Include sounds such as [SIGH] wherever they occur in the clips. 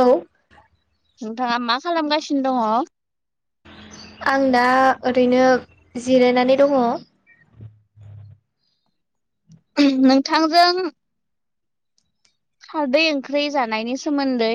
औ नोंथाङा मा खालामगासिनो दङ आं दा ओरैनो जिरायनानै दङ नोंथांजों खारदै ओंख्रि जानायनि सोमोन्दै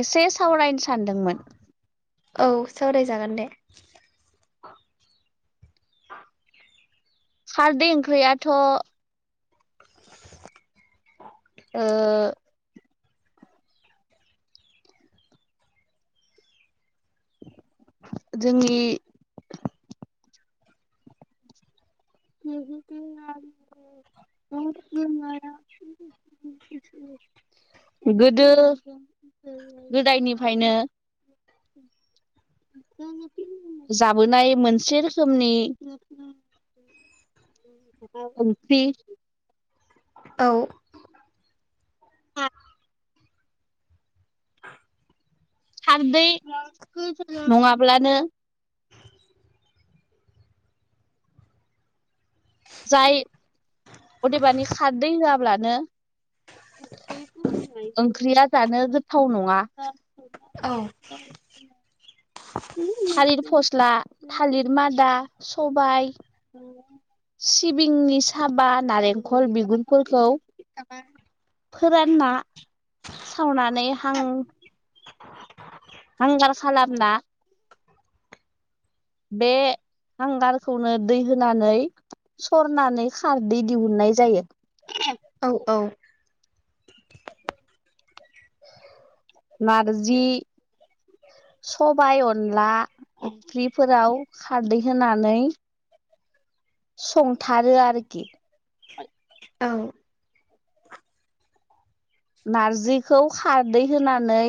एसे सावरायनो सानदोंमोन औ सावरायजागोन दे खारदै ओंख्रियाथ' ओ। जोंनि ग न बे मारा [UNINTELLIGIBLE] गोदो गोदायनिफायनो जाबोनाय मोनसे रोखोमनि [UNINTELLIGIBLE] औ ह खारदै नङाब्लानो जाय अदेबानि खारदै होआब्लानो ओंख्रिया जानो गोथाव नङा औ थालिर फस्ला थालिर मादा सबाइ सिबिंनि साबा नारेंखल बिगुरफोरखौ फोरानना सावनानै हां हांगार खालामना बे हांगारखौनो दै होनानै सरनानै खारदै दिहुननाय जायो। औ औ नारजि सबाय अनला फ्रिफोराव खारदै होनानै संथारो आरोखि औ नारजिखौ खारदै होनानै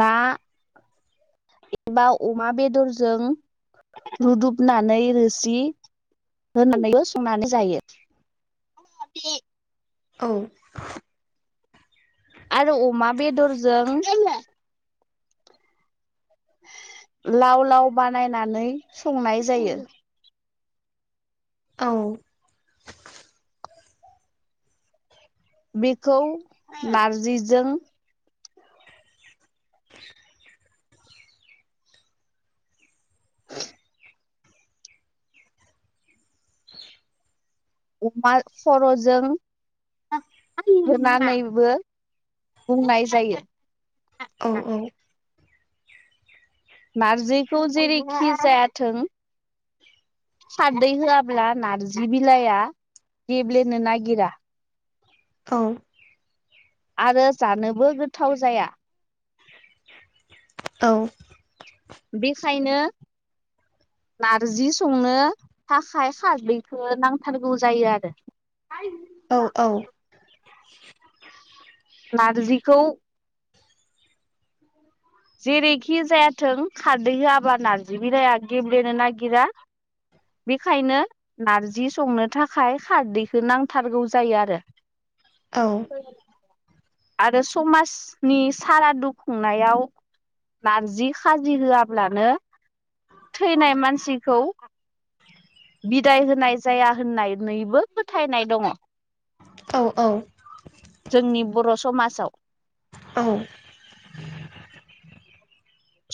ना एबा अमा बेदरजों रुदुबनानै रोसि होनानैबो संनानै जायो। दे औ आरो अमा बेदरजों लाव लाव बानायनानै संनाय जायो। औ बेखौ नारजिजों अमा खर'जों संनानैबो बुंनाय जायो। औ औ नारजिखौ जेरैखि जायाथों खारदै होआब्ला नारजि बिलाइआ गेब्लेनो नागिरा औ आरो जानोबो गोथाव जाया। औ बेखायनो नारजि संनो थाखाय खारदैखौ नांथारगौ जायो आरो आ औ औ नारजिखौ जेरैखि जायाथों खारदै होआबा नारजि बिलाइया गेब्लेनो नागिरा। बेखायनो नारजि संनो थाखाय खारदैखौ नांथारगौ जायो आरो आरो समाजनि सारादु खुंनायाव नारजि खाजि होआब्लानो थैनाय मानसिखौ बिदाय होनाय जाया होननानैबो फोथायनाय दङ'। औ औ। जोंनि बर' समाजाव औ।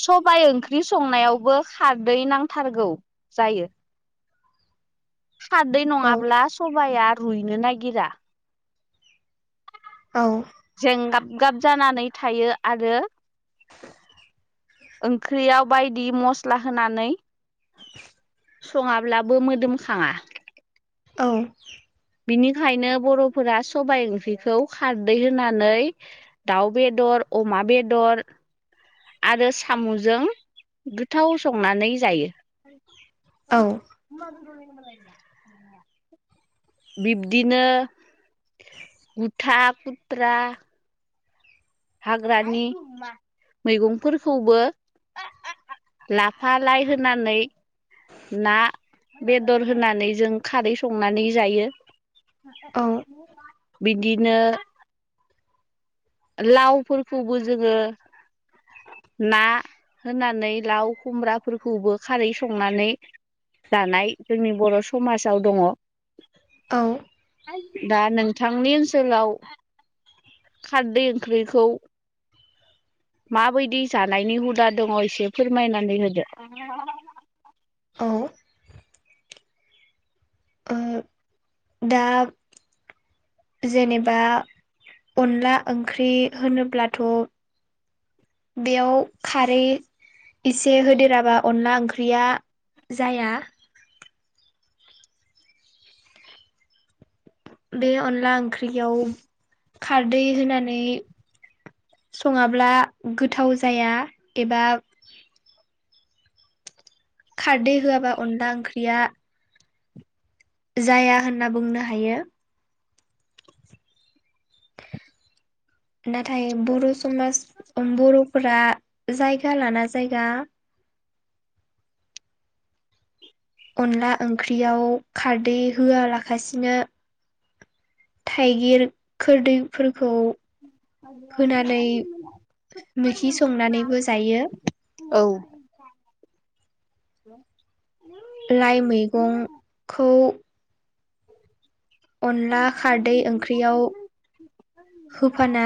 सबाइ ओंख्रि संनायावबो खारदै नांथारगौ जायो। खारदै नङाब्ला सबाया रुइनो नागिरा। जेंगाब गाब जानानै थायो आरो। ओंख्रियाव बायदि मस्ला होनानै। सङाब्लाबो मोदोमखाङा बिनिखायनो बर'फोरा सबाय ओंख्रिखौ खारदै होनानै दाउ बेदर। बेदर अमा बेदर। आरो साम'जों गोथाव संनानै जायो। [UNINTELLIGIBLE] बिब्दिनो गुथा खुथ्रा। हाग्रानि मैगंफोरखौबो। लाफा लाय होनानै। ना बेदर होनानै जों खारै संनानै जायो। बिदिनो लावफोरखौबो जोङो। ना होनानै लाव खुमब्राफोरखौबो खारै संनानै। जानाय जोंनि बर' समाजाव दङ'। औ दा नोंथांनि ओनसोलाव खारदै ओंख्रिखौ [INAUDIBLE] माबायदि जानायनि हुदा दङ एसे फोरमायनानै होदो। औ। ओ दा जेनेबा अनला ओंख्रि होनोब्लाथ'। बेयाव खारै इसे होदेराबा अनला ओंख्रिया जाया। बे अनला ओंख्रियाव खारदै होनानै। सङाब्ला गोथाव जाया एबा। खारदै होयाबा अनला ओंख्रिया। जाया होनना बुंनो हायो। नाथाय बर' समाज बर'फोरा। जायगा लाना जायगा। अनला ओंख्रियाव खारदै होयालागासिनो थाइगिर खोरदैफोरखौ। होनानै मैखि संनानैबो जायो। औ। लाइ मैगंखौ। अनला खारदै ओंख्रियाव होफाना।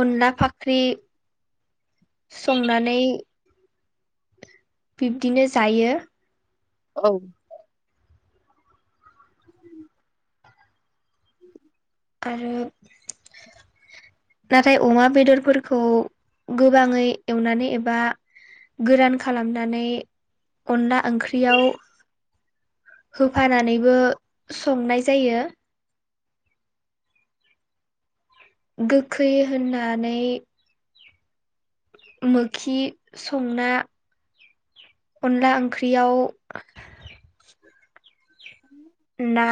अनला फाख्रि संनानै। बिबदिनो जायो। औ। आरो नाथाय अमा बेदरफोरखौ गोबाङै एवनानै एबा। गोरान खालामनानै अनला ओंख्रियाव होफानानैबो संनाय जायो। गोखै होननानै मोखि संना अनला ओं ख्रियाव ना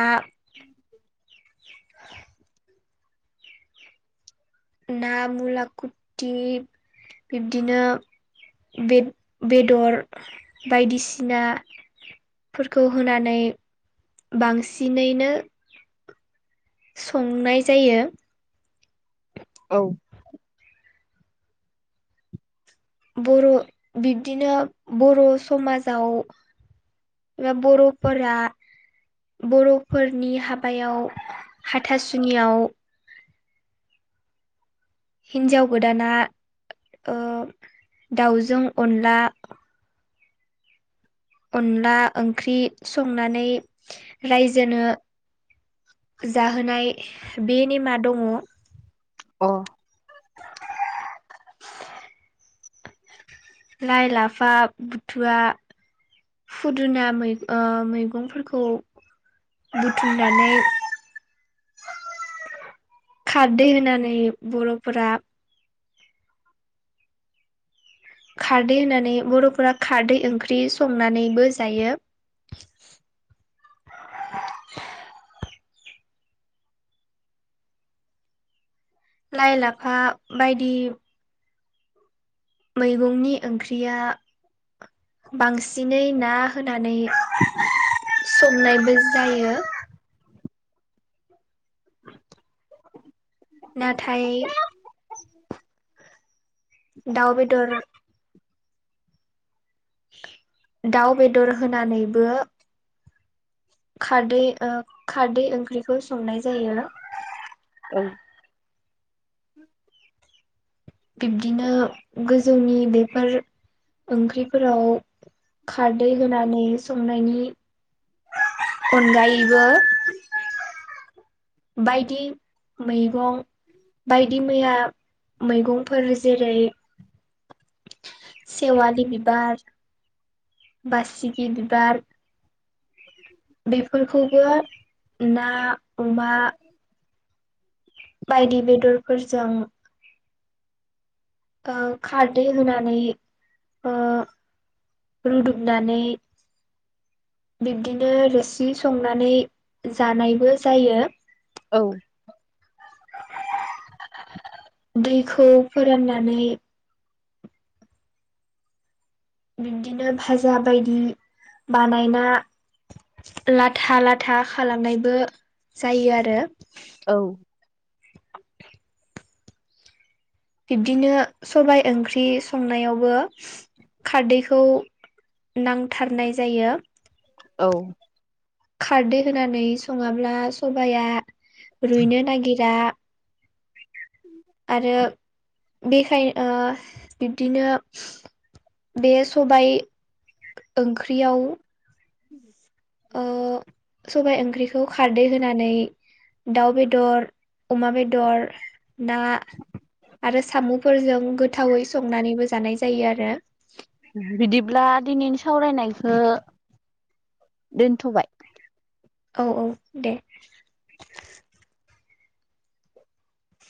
ना मुला खुथथि बिबदिनो बे बेदर बायदिसिना फोरखौ होनानै बांसिनैनो संनाय जायो। औ बर' बिब्दिनो बर' समाजाव बा बर'फोरा बर'फोरनि हाबायाव हाथासुनियाव हिनजाव गोदाना दाउजों अनला अनला ओंख्रि संनानै रायजोनो जाहोनाय बे नेमा दङ अ लाइ लाफा बुथुवा फुदुना मै आ मैगंफोरखौ बुथुमनानै खारदै होनानै बर'फोरा खारदै होननानै बर'फोरा खारदै ओंख्रि संनानैबो जायो। [UNINTELLIGIBLE] लाइ लाफा बायदि मैगंनि ओंख्रिया बांसिन जिनै ना होनानै संनायबो जायो। नाथाय दाउ बेदर दाउ बेदर होनानैबो खारदै खारदै ओंख्रिखौ संनाय जायो। औ बिब्दिनो गोजौनि बेफोर ओंख्रिफोराव खारदै होनानै संनायनि अनगायैबो बायदि मैगं बायदि मैया मैगंफोर जेरै सेवलि बिबार बासिगि बिबार बेफोरखौबो ना अमा बायदि बेदरफोरजों खारदै होनानै ओ रुदुबनानै बिब्दिनो रोसि संनानै जानायबो जायो। औ दैखौ फोराननानै बिब्दिनो भाजा बायदि बानायना लाथा लाथा खालामनायबो जायो आरो औ बिब्दिनो सबाइ ओंख्रि संनायावबो खारदैखौ नांथारनाय जायो। औ। खारदै होनानै सङाब्ला सबाया रुइनो नागिरा। आरो बेखायनो ओ बिब्दिनो बे सबाय। ओंख्रियाव [INAUDIBLE] खौ खारदै होनानै दाउ बेदर अमा बेदर ना आरो साम'फोरजों गोथावै संनानैबो जानाय जायो आरो। बिदिब्ला दिनैनि सावरायनायखौ। दोनथ'बाय औ औ दे।